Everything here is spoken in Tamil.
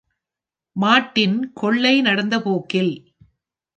மார்ட்டின், கொள்ளை நடந்த போக்கில்.